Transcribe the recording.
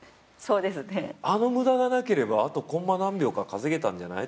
あの無駄がなければあとコンマ何秒とか稼げたんじゃない？